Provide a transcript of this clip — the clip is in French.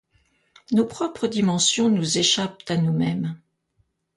Nos propres dimensions nous échappent à nous-mêmes.